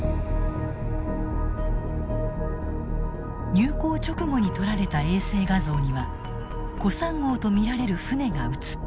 入港直後に撮られた衛星画像にはＫＯＳＡＮ号と見られる船が映っている。